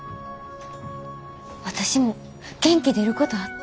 私も元気出ることあった。